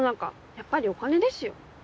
やっぱりお金ですよ。